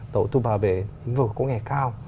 đầu tư vào về nền tảng công nghệ cao